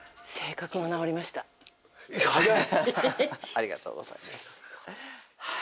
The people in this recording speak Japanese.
ありがとうございます。